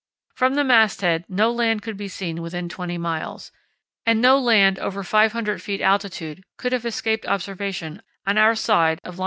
From the mast head no land could be seen within twenty miles, and no land of over 500 ft. altitude could have escaped observation on our side of long.